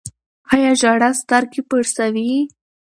آیا ژړا سترګې پړسوي؟